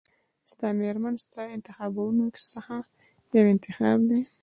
ستا مېرمن ستا د انتخابونو څخه یو انتخاب دی.